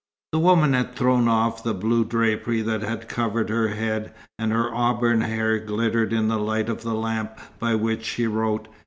The woman had thrown off the blue drapery that had covered her head, and her auburn hair glittered in the light of the lamp by which she wrote.